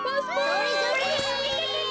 それそれ！